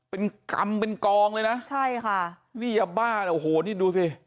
เป็นกรรมเป็นกองเลยนะใช่ค่ะนี่ยาบ้าโอ้โหนี่ดูสิ